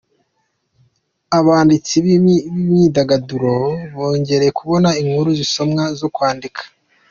Abanditsi b’imyidagaduro bongeye kubona inkuru zisomwa zo kwandika.